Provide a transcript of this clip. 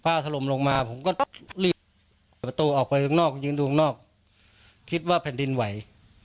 ฝ้าทะลมลงมาผมก็ประตูออกไปตรงนอกยืนดูตรงนอกคิดว่าแผ่นดินไหว